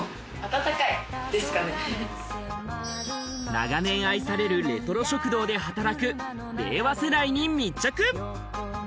長年愛されるレトロ食堂で働く令和世代に密着。